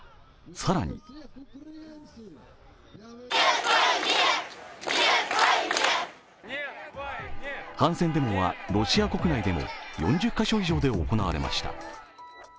更に反戦デモはロシア国内でも４０カ所以上で行われました。